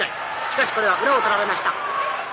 しかしこれは裏を取られました。